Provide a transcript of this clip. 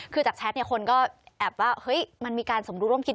คือจากแชทคนก็แอบว่ามันมีการสมรูปร่วมคิด